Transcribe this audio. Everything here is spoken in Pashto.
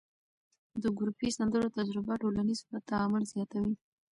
د ګروپي سندرو تجربه ټولنیز تعامل زیاتوي.